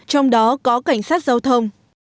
trong đó có cảnh sát giao thông